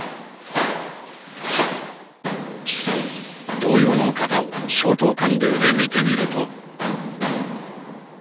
同様の形を松濤館流で見てみると。